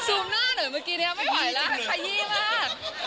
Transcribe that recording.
ซูมหน้าหน่อยเมื่อกี้นี้ไม่ไหวแล้วขยี้มาก